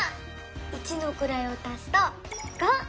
一のくらいを足すと「５」。